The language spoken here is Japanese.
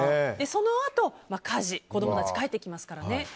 そのあと家事子供たちが帰ってきますからね。